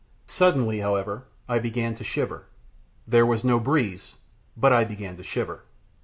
Suddenly, however, I began to shiver. There was no breeze, but I began to shiver.